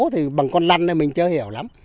thì bằng con lăn này mình chưa hiểu lắm